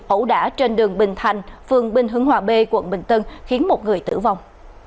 ẩu đả trên đường bình thành phường bình hưng hòa b quận bình tân khiến một người tử vong